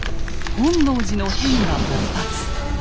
本能寺の変が勃発。